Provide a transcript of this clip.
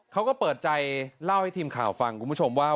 เขาก็เปิดใจเล่าให้ทีมข่าวฟังคุณผู้ชมว่า